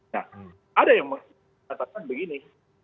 nah ada yang mengatakan begini